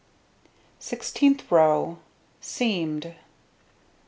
Sixteenth row: Seamed.